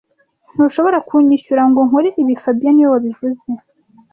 Ntushobora kunyishyura ngo nkore ibi fabien niwe wabivuze